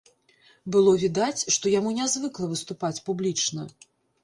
Было відаць, што яму нязвыкла выступаць публічна.